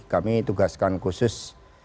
kami tugaskan khusus